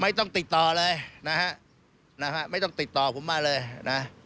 ไม่ต้องติดต่อเลยนะฮะนะฮะไม่ต้องติดต่อผมมาเลยนะ